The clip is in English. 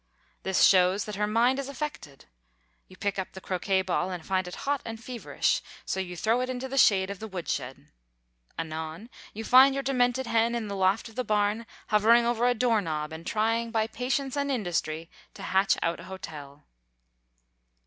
This shows that her mind is affected. You pick up the croquet ball, and find it hot and feverish, so you throw it into the shade of the woodshed. Anon, you find your demented hen in the loft of the barn hovering over a door knob and trying by patience and industry to hatch out a hotel.